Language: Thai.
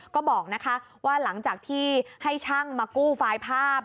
ก็บอกว่าหลังจากที่ให้ช่างมากู้ไฟล์ภาพ